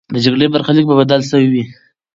د جګړې برخلیک به بدل سوی وي.